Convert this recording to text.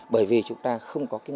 bởi vì chúng ta không có cái nguồn